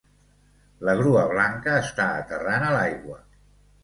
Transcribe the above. La grua blanca està aterrant a l'aigua